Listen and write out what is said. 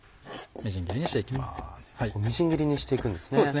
みじん切りにしていくんですね。